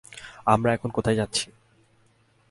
আমরা এখন কোথায় যাচ্ছি?